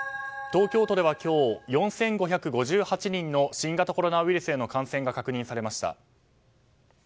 東京都では今日４５５８人の新型コロナウイルスへの感染が確認されました。